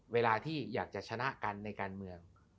เวลาที่อยากจะชนะกันในการเมือง